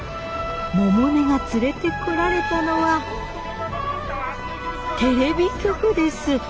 百音が連れてこられたのはテレビ局です。